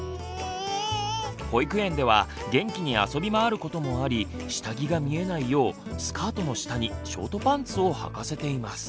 保育園では元気に遊び回ることもあり下着が見えないようスカートの下にショートパンツをはかせています。